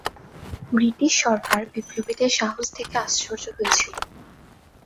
British সরকার বিপ্লবীদের সাহস দেখে আশ্চর্য হয়েছিলো।